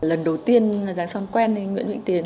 lần đầu tiên giang son quen nguyễn vĩnh tiến